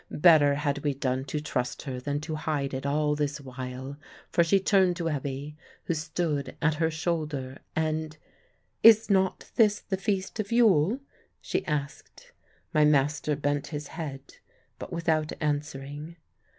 Better had we done to trust her than to hide it all this while, for she turned to Ebbe, who stood at her shoulder, and "Is not this the feast of Yule?" she asked. My master bent his head, but without answering.